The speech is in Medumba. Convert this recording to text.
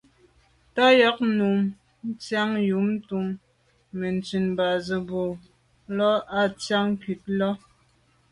Tà yag num ntsiag yub ntùm metsit ba’ ze bo lo’ a ndian nkut yi là.